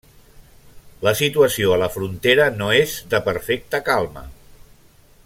La situació a la frontera no és de perfecta calma.